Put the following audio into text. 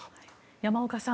山岡さん